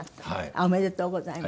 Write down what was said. ありがとうございます。